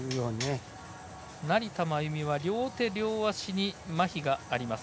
成田真由美は両手両足にまひがあります。